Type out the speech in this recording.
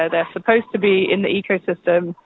jadi mereka sepatutnya ada di ekosistem